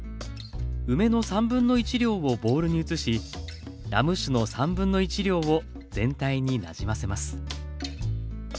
梅の1/3量をボウルに移しラム酒の1/3量を全体になじませます。